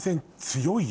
強い。